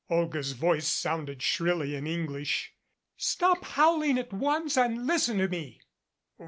Olga's voice sounded shrilly in English. "Stop howling at once and listen to me."